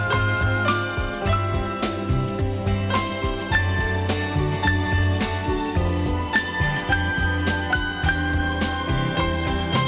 hẹn gặp lại